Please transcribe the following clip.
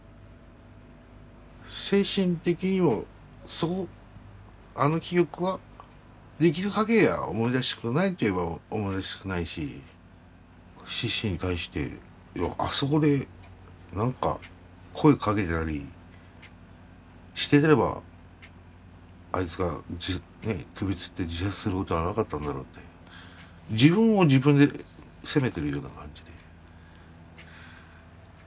精神的にもあの記憶はできるかぎりは思い出したくないといえば思い出したくないしシシに対してあそこで何か声かけたりしてればあいつが首つって自殺することはなかったんだろうって自分を自分で責めてるような感じで。